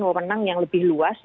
momenang yang lebih luas